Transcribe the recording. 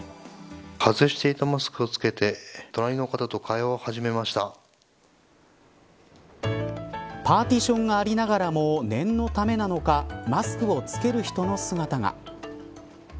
外していたマスクを着けてパーティションがありながらも念のためなのかマスクを着ける人の姿が。